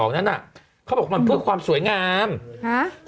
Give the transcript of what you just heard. นั้นอ่ะเขาบอกมันเพื่อความสวยงามฮะ